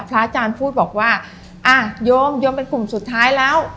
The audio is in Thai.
อาจารย์พูดบอกว่าอ่ะโยมโยมเป็นกลุ่มสุดท้ายแล้ว